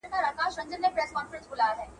زموږ په کلي کي تر هرې پېښي وروسته جرګه کېږي.